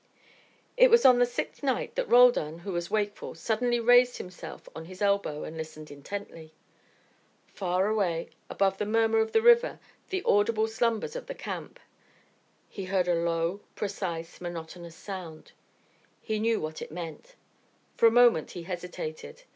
It was on the sixth night that Roldan, who was wakeful, suddenly raised himself on his elbow and listened intently. Far away, above the murmur of the river, the audible slumbers of the camp, he heard a low, precise, monotonous sound. He knew what it meant. For a moment he hesitated.